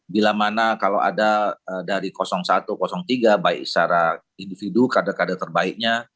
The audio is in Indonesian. bila mana kalau ada dari satu tiga baik secara individu kader kader terbaiknya